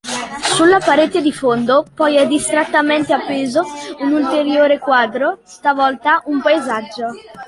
Sulla parete di fondo, poi, è distrattamente appeso un ulteriore quadro, stavolta un paesaggio.